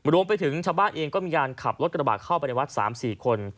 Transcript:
รวมไปถึงชาวบ้านเองก็มีการขับรถกระบาดเข้าไปในวัด๓๔คน